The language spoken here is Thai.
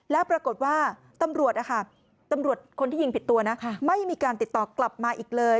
แล้วปรากฏว่าตำรวจคนที่ยิงผิดตัวนะไม่มีการติดต่อกลับมาอีกเลย